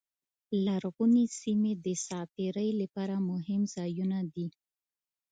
لرغونې سیمې د ساعت تېرۍ لپاره مهم ځایونه دي.